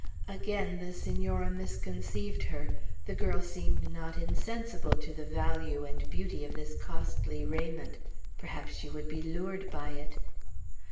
Again the Senora misconceived her. The girl seemed not insensible to the value and beauty of this costly raiment. Perhaps she would be lured by it.